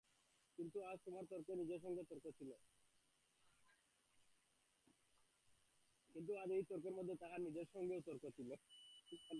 কিন্তু আজ এই তর্কের মধ্যে তাহার নিজের সঙ্গেও তর্ক ছিল।